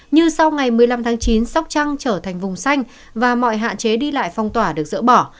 như sau ngày một mươi năm tháng chín sóc trăng trở thành vùng xanh và mọi hạn chế đi lại phong tỏa được dỡ bỏ